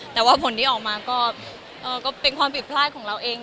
แต่ว่าผลที่ออกมาก็เป็นความผิดพลาดของเราเอง